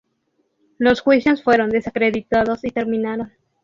Los juicios fueron desacreditados y terminaron.